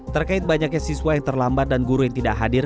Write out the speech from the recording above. terkait banyaknya siswa yang terlambat dan guru yang tidak hadir